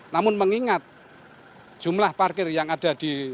namun mengingat jumlah parkir yang ada di rest area ini